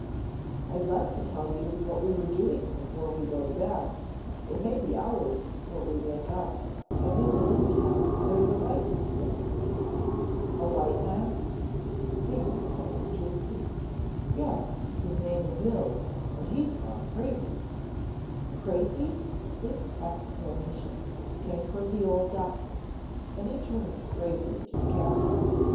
"I'd like to tell you what we were doing before we go to bed. It may be hours before we wake up and in the meantime there's a white man back there " "A white man?" Seaman started to his feet. "Yes, his name is Mills and he's gone crazy " "Crazy?" This exclamation came from the old doctor, then he turned gravely to the captain.